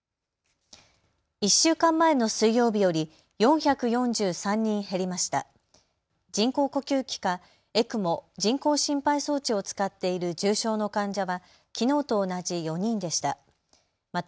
１週間前の水曜日より４４３人減りました。